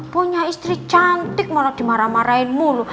punya istri cantik malah dimarah marahin mulu